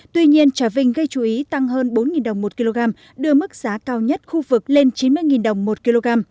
tuy nhiên trà vinh gây chú ý tăng hơn bốn đồng một kg đưa mức giá cao nhất khu vực lên chín mươi đồng một kg